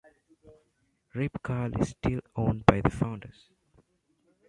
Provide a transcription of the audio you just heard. Rip Curl is still owned by the founders.